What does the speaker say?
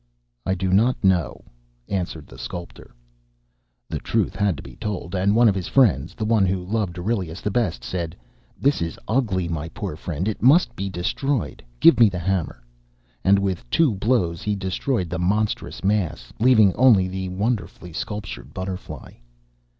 "I do not know," answered the sculptor. The truth had to be told, and one of his friends, the one who loved Aurelius best, said: "This is ugly, my poor friend. It must be destroyed. Give me the hammer." And with two blows he destroyed the monstrous mass, leaving only the wonderfully sculptured butterfly.